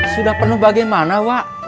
sudah penuh bagaimana wak